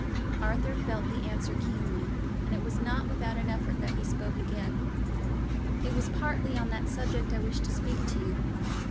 Arthur felt the answer keenly, and it was not without an effort that he spoke again. "It was partly on that subject I wished to speak to you.